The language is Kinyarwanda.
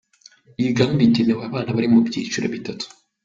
Iyi Gahunda igenewe abana bari mu byiciro bitatu.